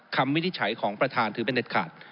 วินิจฉัยของประธานถือเป็นเด็ดขาด